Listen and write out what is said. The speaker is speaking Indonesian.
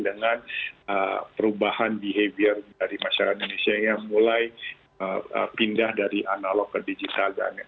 dengan perubahan behavior dari masyarakat indonesia yang mulai pindah dari analog ke digital